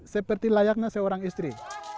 seperti layaknya seorang istri